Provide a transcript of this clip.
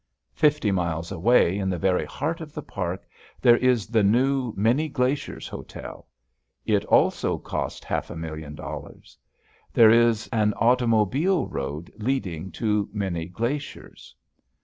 Fifty miles away in the very heart of the park there is the new Many Glaciers Hotel. It also cost a half million dollars. There is an automobile road leading to Many Glaciers.